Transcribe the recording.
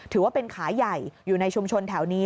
ถือว่าเป็นขายใหญ่อยู่ในชุมชนแถวนี้